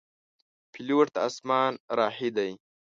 پیلوټ د اسمان راهی دی.